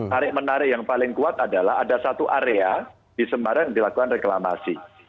tarik menarik yang paling kuat adalah ada satu area di semarang yang dilakukan reklamasi